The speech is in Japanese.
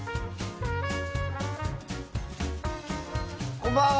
こんばんは。